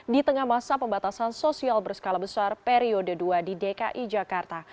di tengah masa pembatasan sosial berskala besar periode dua di dki jakarta